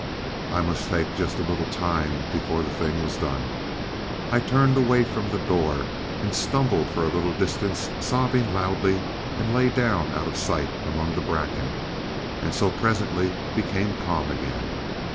I must take just a little time before the thing was done. ... I turned away from the door and stumbled for a little distance, sobbing loudly, and lay down out of sight among the bracken, and so presently became calm again.